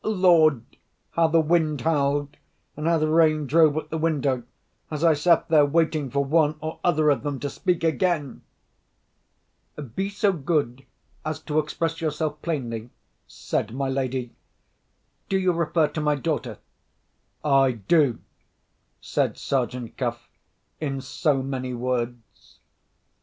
Lord! how the wind howled, and how the rain drove at the window, as I sat there waiting for one or other of them to speak again! "Be so good as to express yourself plainly," said my lady. "Do you refer to my daughter?" "I do," said Sergeant Cuff, in so many words.